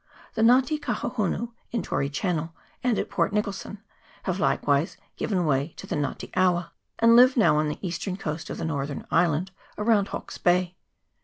The Nga te Kahohunu, in Tory Channel, and at Port Nicholson, have likewise given way to the Nga te awa, and live now on the eastern coast of the northern island, around Hawke's Bay.